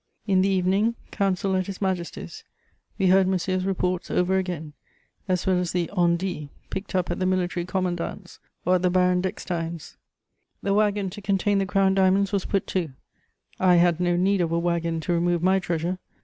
In the evening, council at His Majesty's: we heard Monsieur's reports over again, as well as the on dits picked up at the military commandant's or at the Baron d'Eckstein's. The waggon to contain the Crown diamonds was put to: I had no need of a waggon to remove my treasure.